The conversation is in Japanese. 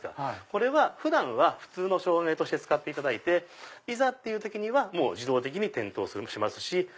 これは普段は普通の照明として使っていざっていう時には自動的に点灯します。